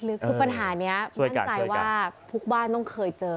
หรือคือปัญหานี้มั่นใจว่าทุกบ้านต้องเคยเจอ